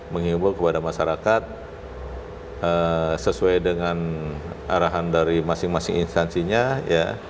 mengimbau kepada masyarakat sesuai dengan arahan dari masing masing instansinya ya